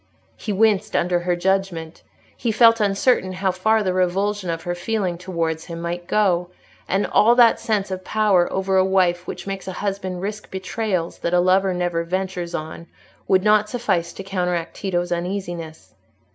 He winced under her judgment, he felt uncertain how far the revulsion of her feeling towards him might go; and all that sense of power over a wife which makes a husband risk betrayals that a lover never ventures on, would not suffice to counteract Tito's uneasiness.